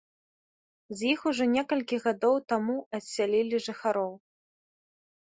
З іх ужо некалькі гадоў таму адсялілі жыхароў.